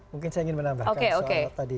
mungkin saya ingin menambahkan